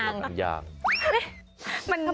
เป็นเพื่อนชั้นเหรอคะ